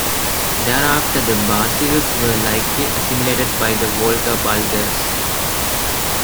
Thereafter the Barsils were likely assimilated by the Volga Bulgars.